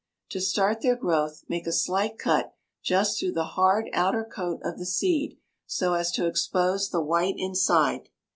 To start their growth make a slight cut just through the hard outer coat of the seed so as to expose the white inside.